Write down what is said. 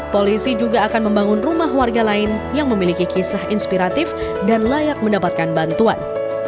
polisi juga akan membangun rumah warga lain yang memiliki kisah inspiratif dan layak mendapatkan bantuan